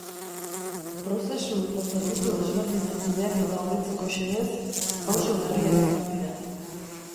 Prozesu eta zerbitzu desberdinen kudeaketa hobetzeko xedez, pauso berriak eman dira.